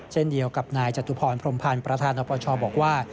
เช่นเดียวกับนายจตุพรพรมพันธ์ประธานอปชบอกว่า